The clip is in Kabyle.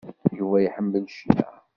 Yuba iḥemmel cna.